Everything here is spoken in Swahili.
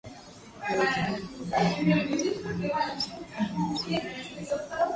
zoezi hili ni zoezi muhimu sana kwa maana kusema kwamba inatusaidia sasa